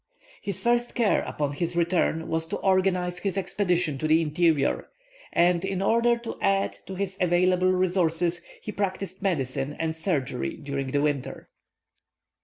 His first care upon his return was to organize his expedition to the interior; and in order to add to his available resources he practised medicine and surgery during the winter.